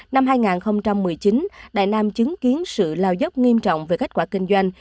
năm hai nghìn một mươi chín đại nam chứng kiến sự lao dốc nghiêm trọng về kết quả kinh doanh